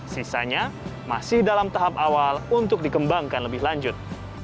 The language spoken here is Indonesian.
sisanya masih dalam tahap awal untuk dikembangkan lebih lanjut